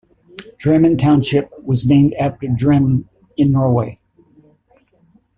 Drammen Township was named after Drammen, in Norway.